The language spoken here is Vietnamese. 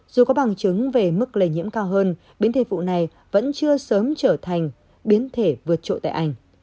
dù có bằng chứng về mức lây nhiễm cao hơn biến thể vụ này vẫn chưa sớm trở thành biến thể vượt trội tại anh